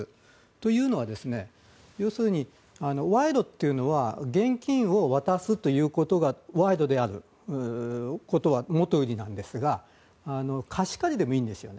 というのは要するに賄賂っていうのは現金を渡すということが賄賂であることはもとよりですが貸し借りでもいいんですよ。